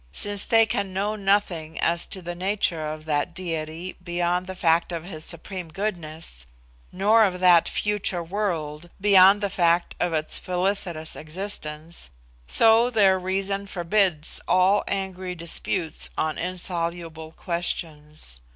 since they can know nothing as to the nature of that Diety beyond the fact of His supreme goodness, nor of that future world beyond the fact of its felicitous existence, so their reason forbids all angry disputes on insoluble questions.